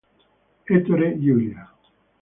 Ettore Giuria